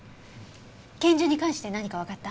拳銃に関して何かわかった？